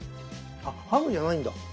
あハムじゃないんだ。